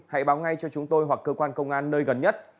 hãy báo ngay cho chúng tôi hoặc cơ quan công an nơi gần nhất